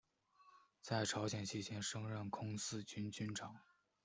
在朝鲜期间升任空四军军长。